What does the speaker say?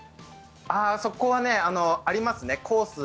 そこはありますね。